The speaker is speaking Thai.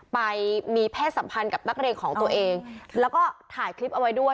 ไปมีเพศสัมพันธ์กับนักเรียนของตัวเองแล้วก็ถ่ายคลิปเอาไว้ด้วย